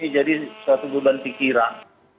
jadi suatu beban pikiran